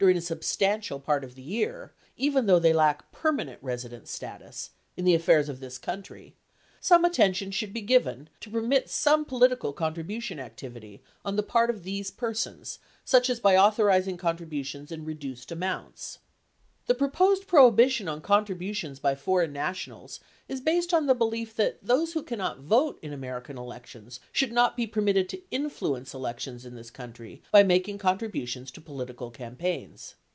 575 ing a substantial part of the year — even though they lack permanent residence status — in the affairs of this country, some attention should be given to permit some political contribution activity on the part of these persons such as by authorizing contributions in reduced amounts. The proposed prohibition on contributions by foreign nationals is based on the belief that those who cannot vote in American elections should not be permitted to influence elections in this country by mak ing contributions to political campaigns.